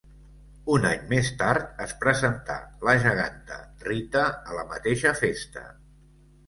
Un any més tard es presentà la geganta Rita a la mateixa festa.